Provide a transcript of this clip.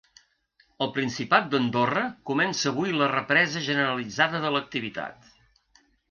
El Principat d’Andorra comença avui la represa generalitzada de l’activitat.